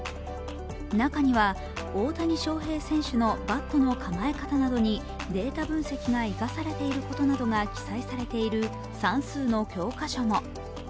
中には大谷翔平選手のバットの構え方などにデータ分析が生かされていることなどが記載されている算数の教科書も。